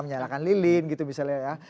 menyalakan lilin gitu misalnya